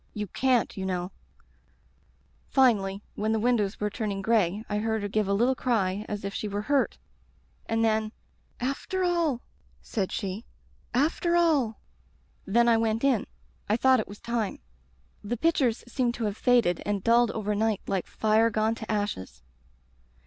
You can'ty you know "Finally — ^when the windows were turn ing gray I heard her give a little cry as if she were hurt, and then "'After all!' said she. 'After all!' "Then I went in. I thought it was time. "The pictures seemed to have faded and dulled overnight like fire gone to ashes.